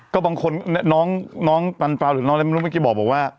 ก็บางคนน้องปันปราที่หรือน้องลูกพี่เมื่อกี้บอกว่า